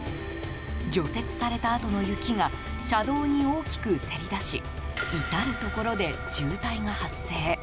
除雪されたあとの雪が車道に大きくせり出し至るところで渋滞が発生。